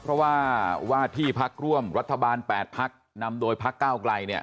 เพราะว่าว่าที่พักร่วมรัฐบาล๘พักนำโดยพักก้าวไกลเนี่ย